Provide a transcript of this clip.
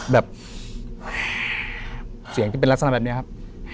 แบบเสียงที่เป็นลักษณะแบบนี้ครับ